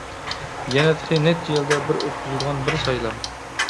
يەنە تېخى نەچچە يىلدا بىر ئۆتكۈزۈلىدىغان بىر سايلام.